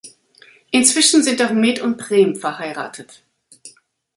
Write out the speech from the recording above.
Inzwischen sind auch Meet und Prem verheiratet.